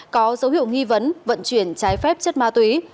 có dấu hiệu nghi vấn vận chuyển trái phép chất ma túy